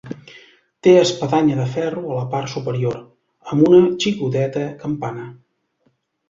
Té espadanya de ferro a la part superior, amb una xicoteta campana.